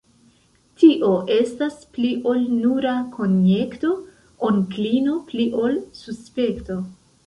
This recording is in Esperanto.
Tio estas pli ol nura konjekto, onklino; pli ol suspekto.